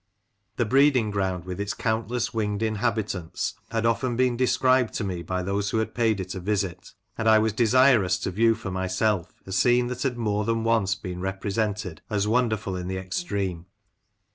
The breeding ground, with its countless winged inhabitants, had often been described to me by those who had paid it a visit, and I was desirous to view for myself a scene that had more than once been represented as wonderful in the extreme.